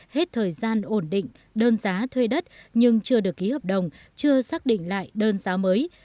hết thời gian ổn định đơn giá thuê đất nhưng chưa được ký hợp đồng chưa xác định lại đơn giá mới